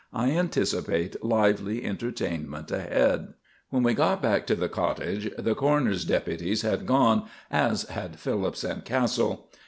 I anticipate lively entertainment ahead." When we got back to the cottage the coroner's deputies had gone, as had Phillips and Castle.